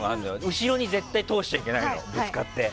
後ろに絶対通しちゃいけないのぶつかって。